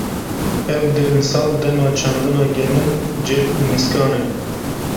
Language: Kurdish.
Ev demsal, dema çandina genim, ceh û nîskan e.